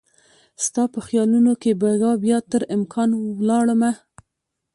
ستا په خیالونو کې بیګا بیا تر امکان ولاړ مه